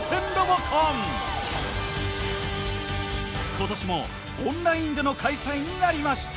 今年もオンラインでの開催になりました。